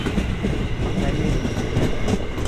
Kaj meditu.